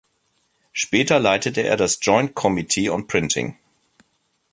Später leitete er das "Joint Committee on Printing".